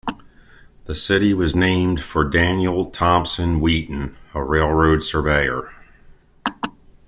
The city was named for Daniel Thompson Wheaton, a railroad surveyor.